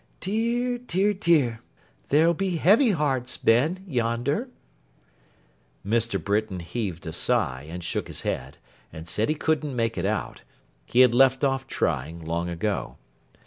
'Dear, dear, dear! There'll be heavy hearts, Ben, yonder.' Mr. Britain heaved a sigh, and shook his head, and said he couldn't make it out: he had left off trying long ago.